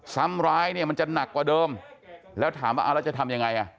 ซ้ำร้ายเนี่ยมันจะหนักกว่าเดิมแล้วถามว่าเอาแล้วจะทำยังไงอ่ะ